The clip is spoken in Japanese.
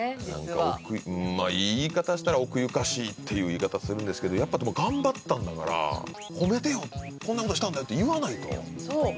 実はいい言い方したら奥ゆかしいっていう言い方するんですけどやっぱ頑張ったんだから「褒めてよこんな事したんだよ！」って言わないとそう！